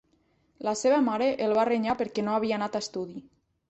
La seva mare el va renyar perquè no havia anat a estudi.